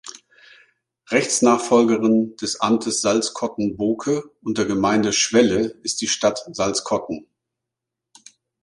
Rechtsnachfolgerin des Amtes Salzkotten-Boke und der Gemeinde Schwelle ist die Stadt Salzkotten.